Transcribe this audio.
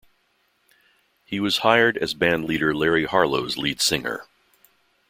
He was hired as bandleader Larry Harlow's lead singer.